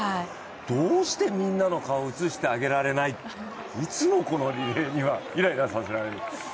どうしてみんなの顔を映してあげられないの、いつもこのリレーにはいらいらさせられる。